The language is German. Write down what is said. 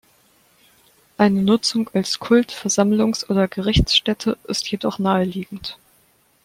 Eine Nutzung als Kult-, Versammlungs- oder Gerichtsstätte ist jedoch naheliegend.